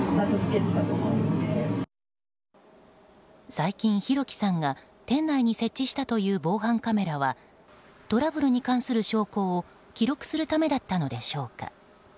最近、弘輝さんが店内に設置したという防犯カメラはトラブルに関する証拠を記録するためだったのでしょうか。